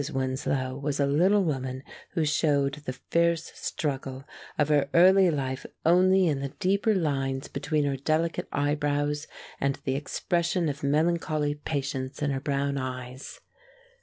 Winslow was a little woman who showed the fierce struggle of her early life only in the deeper lines between her delicate eyebrows and the expression of melancholy patience in her brown eyes.